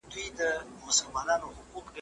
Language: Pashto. خان سهار وو نوی آس مډال ګټلی `